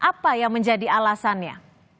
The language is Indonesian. apa yang menjadi alasannya